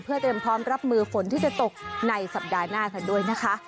เพื่อเตรียมพร้อมรับมือฝนที่จะตกในสัปดาห์หน้ากันด้วยนะคะ